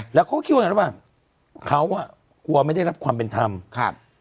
แล้วเขาก็คิดว่าไงรู้ป่ะเขาอ่ะกลัวไม่ได้รับความเป็นธรรมครับ